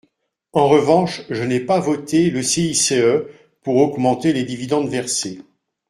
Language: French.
En revanche, je n’ai pas voté le CICE pour augmenter les dividendes versés.